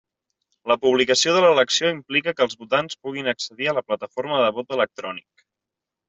La publicació de l'elecció implica que els votants puguin accedir a la plataforma de vot electrònic.